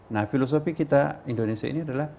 nah filosofi kita indonesia ini adalah